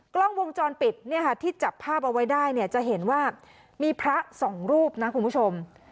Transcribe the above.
กล้องวงจรปิดเนี่ยค่ะที่จับภาพเอาไว้ได้เนี่ยจะเห็นว่ามีพระสองรูปนะคุณผู้ชม